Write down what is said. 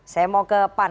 saya mau ke pan